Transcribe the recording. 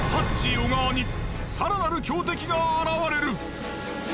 小川にさらなる強敵が現れる。